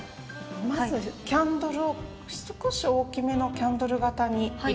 まずキャンドルを少し大きめのキャンドル型に入れていただきます。